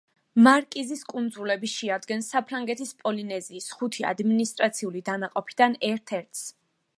მარკიზის კუნძულები შეადგენს საფრანგეთის პოლინეზიის ხუთი ადმინისტრაციული დანაყოფიდან ერთ-ერთს.